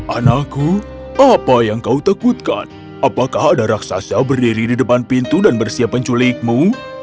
anakku apa yang kau takutkan apakah ada raksasa berdiri di depan pintu dan bersiap penculikmu